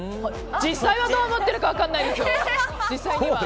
実際はどう思っているか分からないですよ。